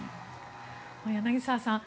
柳澤さん